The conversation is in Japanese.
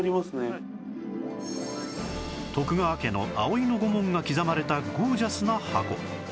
徳川家の葵の御紋が刻まれたゴージャスな箱